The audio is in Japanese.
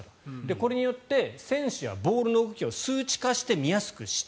これによって選手やボールの動きを数値化して見やすくした。